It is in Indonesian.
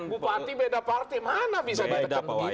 bupati beda partai mana bisa berkata begitu